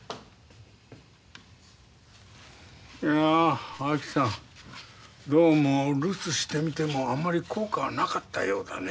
いやあきさんどうも留守してみてもあんまり効果はなかったようだね。